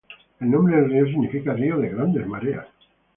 El nombre del río significa río de grandes mareas.